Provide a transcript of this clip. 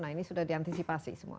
nah ini sudah diantisipasi semua